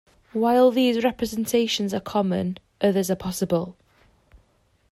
While these representations are common, others are possible.